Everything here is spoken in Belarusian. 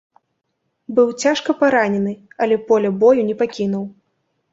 Быў цяжка паранены, але поля бою не пакінуў.